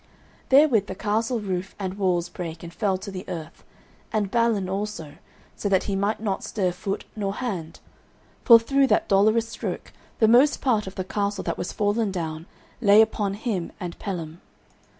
Therewith the castle roof and walls brake and fell to the earth, and Balin also, so that he might not stir foot nor hand, for through that dolorous stroke the most part of the castle that was fallen down lay upon him and Pellam.